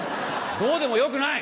どうでもよくない！